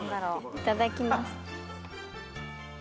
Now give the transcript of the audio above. いただきます。